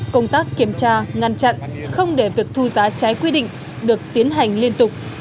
công tác kiểm tra ngăn chặn không để việc thu giá trái quy định được tiến hành liên tục